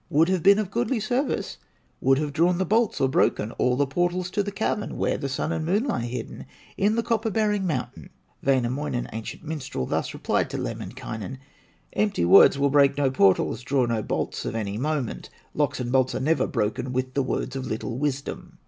Would have been of goodly service, Would have drawn the bolts or broken, All the portals to the cavern, Where the Sun and Moon lie hidden In the copper bearing mountain!" Wainamoinen, ancient minstrel, Thus replied to Lemminkainen: "Empty words will break no portals, Draw no bolts of any moment; Locks and bolts are never broken With the words of little wisdom!